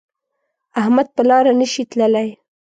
احمد په لاره نشي تللی